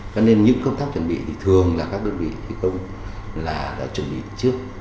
cho nên những công tác chuẩn bị thì thường là các đơn vị thi công là đã chuẩn bị trước